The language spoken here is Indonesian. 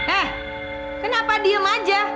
eh kenapa diem aja